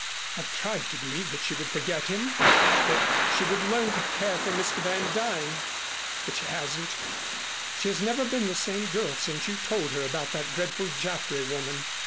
"I've tried to believe that she would forget him that she would learn to care for Mr. Van Duyn. But she hasn't. She has never been the same girl since you told her about that dreadful Jaffray woman.